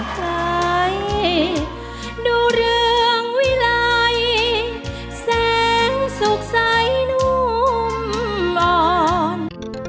โปรดติดตามตอนต่อไป